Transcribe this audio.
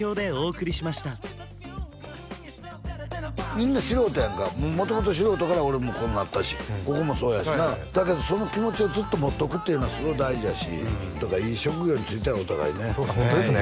みんな素人やんか元々素人から俺もこうなったしここもそうやしなだけどその気持ちをずっと持っとくっていうのはすごい大事やしだからいい職業に就いたよお互いねそうですね